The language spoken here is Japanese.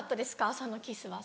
朝のキスは。